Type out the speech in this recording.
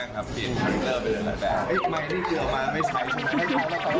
คนไหนกระติ๊บถามว่าคนนี้ก็เตย